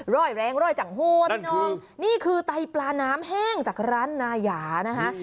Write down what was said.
รอยแรงร่อยจังหัวพี่น้องนี่คือไตปลาน้ำแห้งจากร้านนายานะคะ